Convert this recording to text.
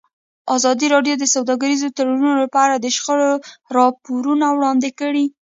ازادي راډیو د سوداګریز تړونونه په اړه د شخړو راپورونه وړاندې کړي.